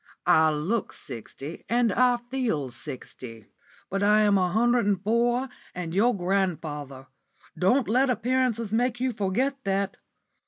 I look sixty and I feel sixty, but I am a hundred and four and your grandfather. Don't let appearances make you forget that.